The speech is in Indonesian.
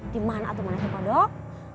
dimana tuh mana sih kodok